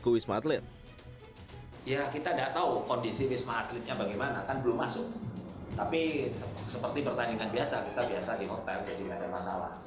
tapi seperti pertandingan biasa kita biasa di hotel jadi nggak ada masalah